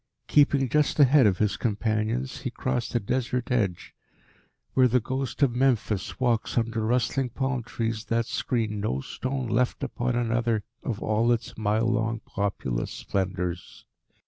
Keeping just ahead of his companions, he crossed the desert edge where the ghost of Memphis walks under rustling palm trees that screen no stone left upon another of all its mile long populous splendours.